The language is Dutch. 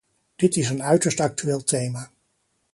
Dit is een uiterst actueel thema.